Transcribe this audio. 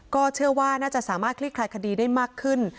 ก็เชื่อว่าน่าจะสามารถคลี่คลายคดีได้มากขึ้น